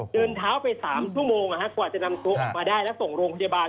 เดินเท้าไป๓ชั่วโมงกว่าจะนำตัวออกมาได้แล้วส่งโรงพยาบาล